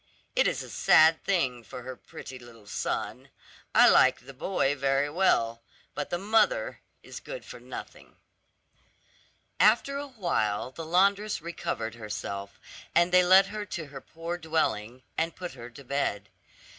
It is a sad thing for her pretty little son. I like the boy very well; but the mother is good for nothing." After a while the laundress recovered herself, and they led her to her poor dwelling, and put her to bed.